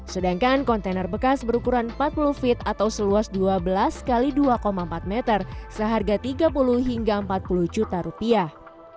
sedangkan kontainer bekas berukuran empat puluh feet atau seluas dua belas x dua empat meter seharga tiga puluh hingga empat puluh juta rupiah